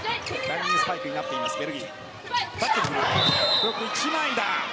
ブロック１枚だ。